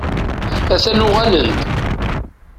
A-t-an uɣalen-d.